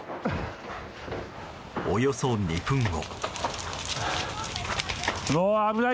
およそ２分後。